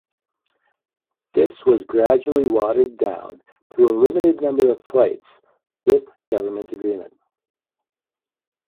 This was gradually watered down to a limited number of flights with government agreement.